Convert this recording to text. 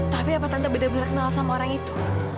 tapi apa tante benar benar kenal sama orang itu